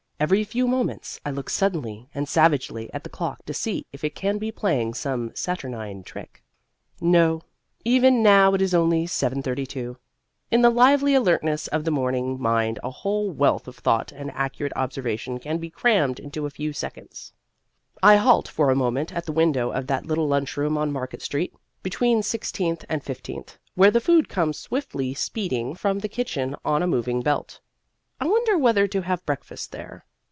Every few moments I look suddenly and savagely at the clock to see if it can be playing some saturnine trick. No, even now it is only 7:32. In the lively alertness of the morning mind a whole wealth of thought and accurate observation can be crammed into a few seconds. I halt for a moment at the window of that little lunchroom on Market Street (between Sixteenth and Fifteenth) where the food comes swiftly speeding from the kitchen on a moving belt. I wonder whether to have breakfast there.